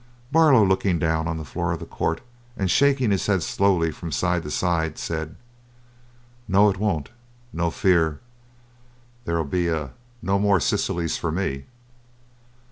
Barlow, looking down on the floor of the court and shaking his head slowly from side to side, said: "No, it won't No fear. There 'ull be no more Cecilies for me."